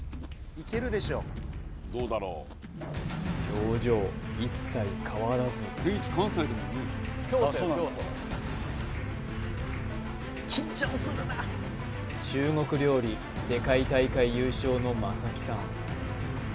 表情一切変わらず中国料理世界大会優勝の正木さん